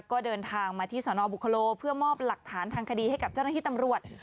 ก็เดินทางมาที่สนบุคโลเพื่อมอบหลักฐานทางคดีให้กับเจ้าหน้าที่ตำรวจ